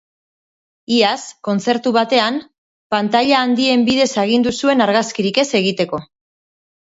Iaz, kontzertu batean, pantaila handien bidez agindu zuen argazkirik ez egiteko.